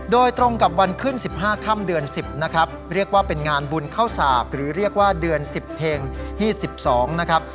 โดยตรงกับวันขึ้นสิบห้าค่ำเดือนสิบนะครับเรียกว่าเป็นงานบุญเข้าสากหรือเรียกว่าเดือนสิบเพ็งฮีทสิบสองนะครับ